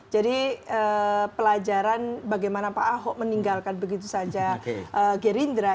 jadi pelajaran bagaimana pak ahok meninggalkan begitu saja gerindra